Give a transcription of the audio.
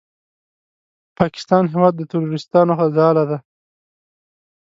پاکستان هېواد د تروریستانو ځاله ده!